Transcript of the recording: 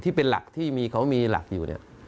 ที่เป็นหลักที่เขามีหลักอยู่